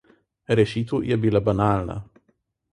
Rešitev je bila banalna.